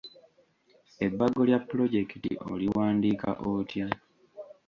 Ebbago lya pulojekiti oliwandiika otya?